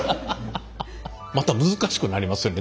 また難しくなりますよね。